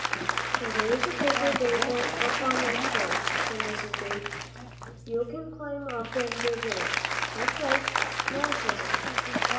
"Now there's a paper bag up on that shelf," said Mrs. Beebe. "You can climb up and git it; that's right. Now, says I."